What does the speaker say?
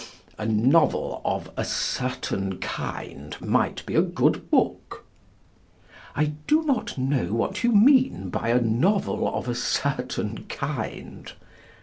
A novel of "a certain kind" might be a good book? I do not know what you mean by "a novel of a certain kind."